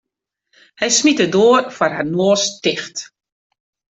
Hy smiet de doar foar har noas ticht.